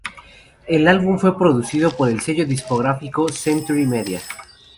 El álbum fue producido por el sello discográfico Century Media.